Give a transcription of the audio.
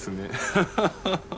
ハハハハッ！